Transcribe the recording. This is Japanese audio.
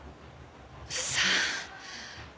さあ。